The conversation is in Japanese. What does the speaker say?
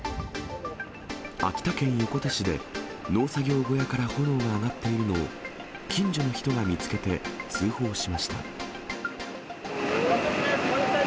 秋田県横手市で、農作業小屋から炎が上がっているのを、近所の人が見つけて通報しました。